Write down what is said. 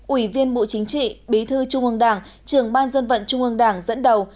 ủy viên bộ chính trị bí thư trung ương đảng trường ban dân vận trung ương đảng dẫn đầu